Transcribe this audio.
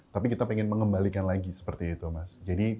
tapi kita ingin mengembalikan lagi seperti itu mas